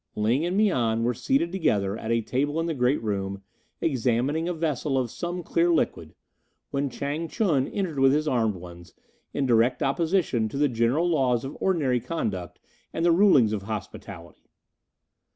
Ling and Mian were seated together at a table in the great room, examining a vessel of some clear liquid, when Chang ch'un entered with his armed ones, in direct opposition to the general laws of ordinary conduct and the rulings of hospitality.